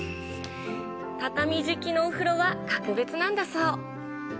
畳敷きのお風呂は格別なんだそう。